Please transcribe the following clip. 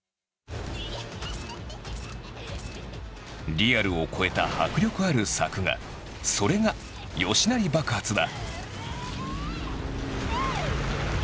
リアルを超えた迫力ある作画それが吉成爆発だ。